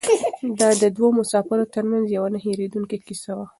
دا د دوو مسافرو تر منځ یوه نه هېرېدونکې کیسه وه.